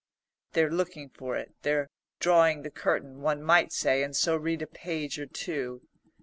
"They're looking for it; they're drawing the curtain," one might say, and so read on a page or two.